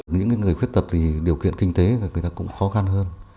những người khuyết tật thì điều kiện kinh tế người ta cũng khó khăn hơn